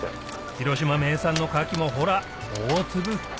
広島名産のかきもほら大粒